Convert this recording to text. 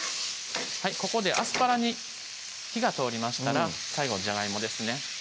ここでアスパラに火が通りましたら最後ジャガイモですね